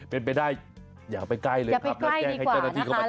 เป็นไปได้อยากไปใกล้เลยครับ